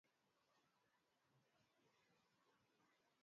ambako watu wa makabila mbalimbali walilazimishwa kukaa eneo hilo